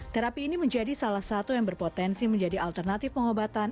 terapi ini menjadi salah satu yang berpotensi menjadi alternatif pengobatan